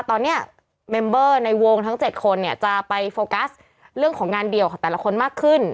ตอนนี้เมมเบอร์ในวงทั้ง๗คนเนี่ยจะไปโฟกัสเรื่องของงานเดี่ยวของแต่ละคนมากขึ้น